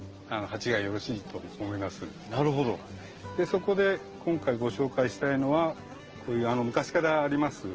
そこで今回ご紹介したいのはこういう昔からあります